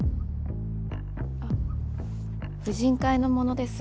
あっ婦人会の者です。